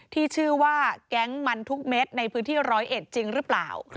ที่ชื่อว่าแก๊งมันทุกเม็ดในพื้นที่๑๐๑จริงหรือเปล่า